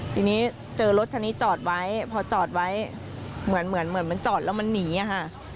ทีนี้เจอรถคันนี้จอดไว้พอจอดไว้เหมือนเหมือนมันจอดแล้วมันหนีอะค่ะ